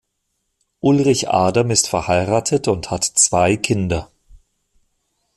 Ulrich Adam ist verheiratet und hat zwei Kinder.